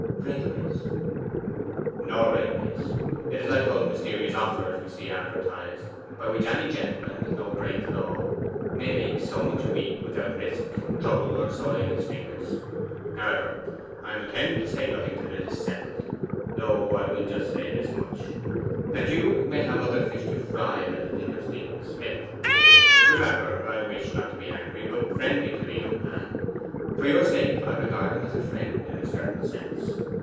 'Railways?' 'Nor railways. It is like those mysterious offers we see advertised, by which any gentleman with no brains at all may make so much a week without risk, trouble, or soiling his fingers. However, I am intending to say nothing till it is settled, though I will just say this much, that you soon may have other fish to fry than to think of Stephen Smith. Remember, I wish, not to be angry, but friendly, to the young man; for your sake I'll regard him as a friend in a certain sense.